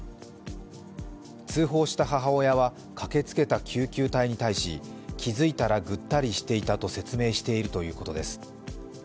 通報した母親は駆けつけた救急隊に対し気づいたらぐったりしていたと説明しているということです。